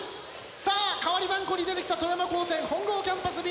さあ代わりばんこに出てきた富山高専本郷キャンパスＢ。